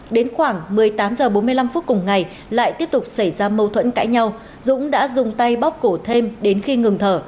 đến khoảng một mươi tám h bốn mươi năm phút cùng ngày lại tiếp tục xảy ra mâu thuẫn cãi nhau dũng đã dùng tay bóc cổ thêm đến khi ngừng thở